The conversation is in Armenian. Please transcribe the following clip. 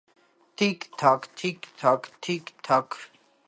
թի՛ք-թաք, թի՛ք-թաք, թի՛ք-թաք…